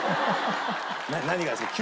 何がですか？